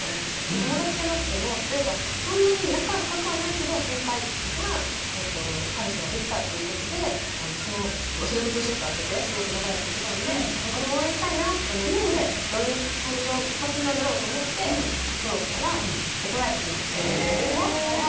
友達じゃなくても例えばそんなに仲は深くはないけど先輩に彼氏ができたってことでそれもツーショットを上げてすごく仲良くしてたのでこれも応援したいなと思ってどういう感じのカップルなんだろうと思ってフォローしたら怒られてしまって。